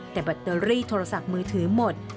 แต่แบตเตอรี่โทรศัพท์มือถือหมด